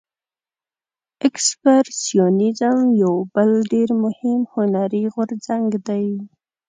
اکسپرسیونیزم یو بل ډیر مهم هنري غورځنګ دی.